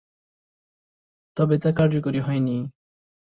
তবে তা কার্যকর হয়নি।